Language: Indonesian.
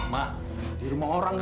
ma di rumah orang